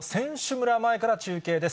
村前から中継です。